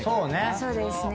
そうですね。